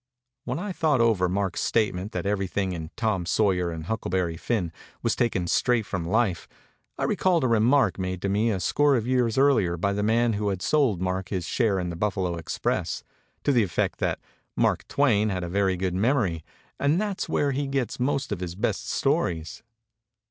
When I thought over Mark's statement that everything in 'Tom Sawyer' and 'Huckleberry Finn* was taken straight from life, I recalled a remark made to me a score of years earlier by the man who had sold Mark his share in the Buffalo Express to the effect that "Mark Twain had a very good memory; and that's where he gets most of his best stories."